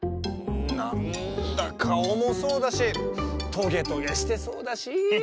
なんだかおもそうだしトゲトゲしてそうだし。